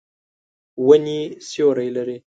ونې سیوری لري.